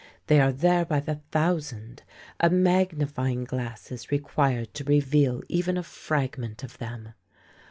They are there by the thousand: a magnifying glass is required to reveal even a fragment of them.